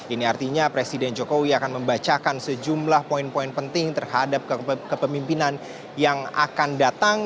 ini artinya presiden jokowi akan membacakan sejumlah poin poin penting terhadap kepemimpinan yang akan datang